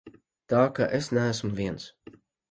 Tā ka es neesmu viens.